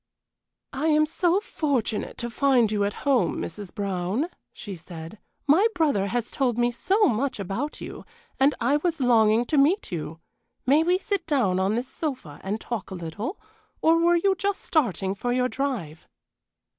"I am so fortunate to find you at home, Mrs. Brown," she said. "My brother has told me so much about you, and I was longing to meet you. May we sit down on this sofa and talk a little, or were you just starting for your drive?"